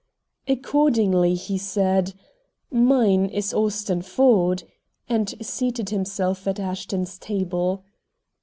Accordingly he said, "Mine is Austin Ford," and seated himself at Ashton's table.